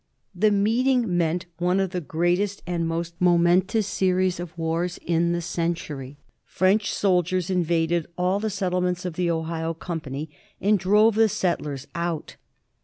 The meeting meant one of the great est and most momentous series of wars in the century. 1764. YOUNG MR, WASHINGTON. 285 French soldiers invaded all the settlements of the Ohio company and drove the settlers out.